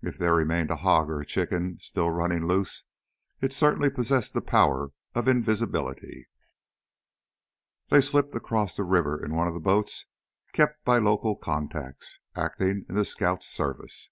If there remained a hog or chicken still running loose, it certainly possessed the power of invisibility. They slipped across the river in one of the boats kept by local contacts acting in the scouts' service.